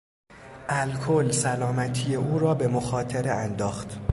الکل سلامتی او را به مخاطره انداخت.